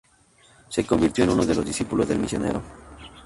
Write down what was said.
Se convirtió en uno de los discípulos del misionero.